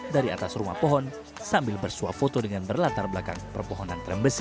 dari atas rumah pohon sambil bersuap foto dengan berlatar belakang perpohonan trembesi